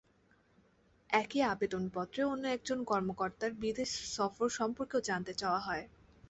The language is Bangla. একই আবেদনপত্রে অন্য একজন কর্মকর্তার বিদেশ সফর সম্পর্কেও জানতে চাওয়া হয়।